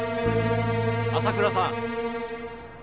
浅倉さん。